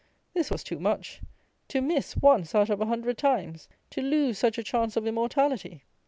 This was too much! To miss once out of a hundred times! To lose such a chance of immortality!